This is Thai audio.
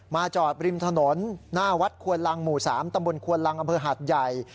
จอดริมถนนหน้าวัดควนลังหมู่๓ตำบลควนลังอำเภอหาดใหญ่